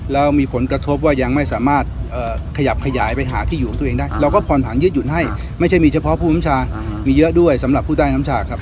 แล้วมีผลกระทบว่ายังไม่สามารถขยับขยายไปหาที่อยู่ของตัวเองได้เราก็ผ่อนผันยืดหยุ่นให้ไม่ใช่มีเฉพาะผู้บัญชามีเยอะด้วยสำหรับผู้ใต้น้ำชาครับ